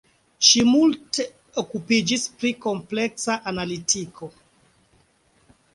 Ŝi multe okupiĝis pri kompleksa analitiko.